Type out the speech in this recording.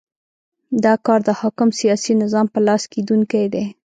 دا کار د حاکم سیاسي نظام په لاس کېدونی دی.